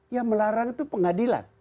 ya melarang itu pengadilan